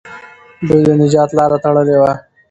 دوی د نجات لاره تړلې وه.